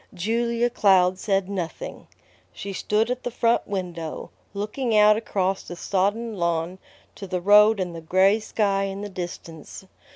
Julia Cloud said nothing. She stood at the front window, looking out across the sodden lawn to the road and the gray sky in the distance.